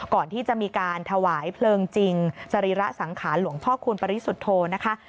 ก่อนที่จะมีการถวายเพลิงจริงสรีระสังขารหลวงพ่อคูณปริสุทธโธนะคะ